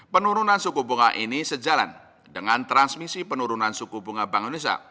penurunan suku bunga ini sejalan dengan transmisi penurunan suku bunga bank indonesia